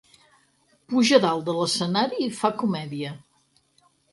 Puja dalt de l'escenari i fa comèdia.